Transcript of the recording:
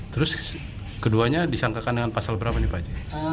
terus keduanya disangkakan dengan pasal berapa nih pak haji